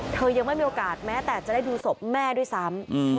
เธอยังไม่มีโอกาสแม้แต่จะได้ดูเสมอแม่ด้วยซ้ำอือ